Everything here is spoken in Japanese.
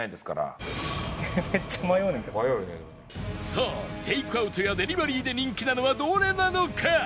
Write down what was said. さあテイクアウトやデリバリーで人気なのはどれなのか？